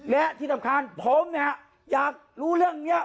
และที่สำคัญผมเนี่ยอยากรู้เรื่องนี้